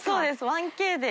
１Ｋで。